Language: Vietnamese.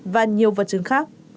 và nhiều vật chứng khác